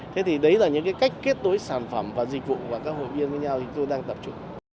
thế thì đấy là những cái cách kết nối sản phẩm và dịch vụ mà các hội viên với nhau chúng tôi đang tập trung